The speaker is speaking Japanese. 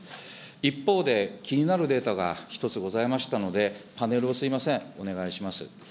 一方で気になるデータが一つございましたので、パネルをすみません、お願いします。